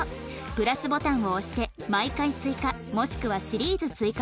＋ボタンを押して「毎回追加」もしくは「シリーズ追加」をするだけ